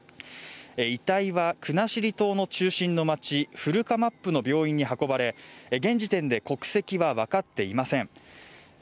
遺体は国後島の中心の街、古釜布の病院に運ばれ現時点で国籍は分かっていません。